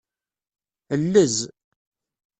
Llez.